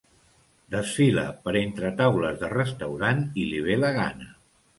Desfila per entre taules de restaurant i li ve la gana.